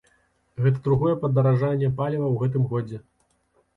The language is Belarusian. Гэта другое падаражанне паліва ў гэтым годзе.